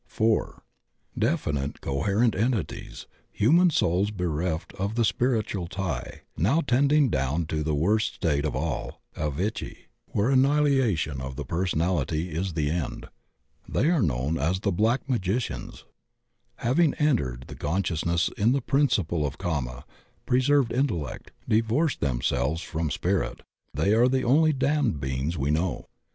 (4) Definite, coherent entities, human souls bereft of the spiritual tie, now tending down to the worst state of all, avitchi, where annihilation of the person ality is the end. They are known as black magicians. Having centered the consciousness in the principle of kama, preserved intellect, divorced themselves from spirit, they are the only damned beings we know.